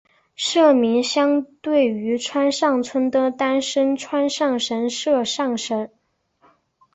社名是相对于川上村的丹生川上神社上社。